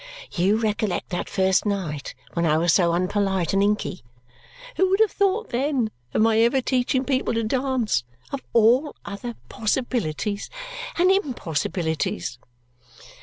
You recollect that first night, when I was so unpolite and inky? Who would have thought, then, of my ever teaching people to dance, of all other possibilities and impossibilities!"